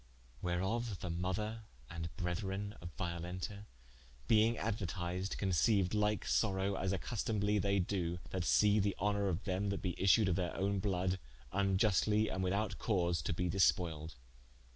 Wherof the mother and brethren of Violenta being aduertised, conceiued like sorowe, as accustomably they doe, that see the honor of them that be issued of their owne bloud vniustly and without cause to be dispoiled.